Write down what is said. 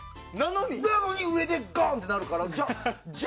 なのに、上でゴンッ！ってなるから。